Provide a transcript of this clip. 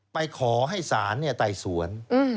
ไปขอให้ศาลไต่สวน